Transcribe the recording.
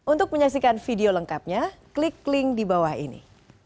untuk menyaksikan video lengkapnya klik link di bawah ini